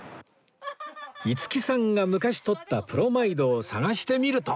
五木さんが昔撮ったプロマイドを探してみると